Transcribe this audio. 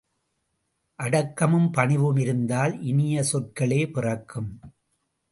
அடக்கமும் பணிவும் இருந்தால் இனிய சொற்களே பிறக்கும்.